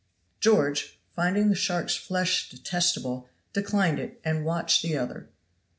George, finding the shark's flesh detestable, declined it, and watched the other.